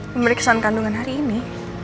pemeriksaan kandungan hari ini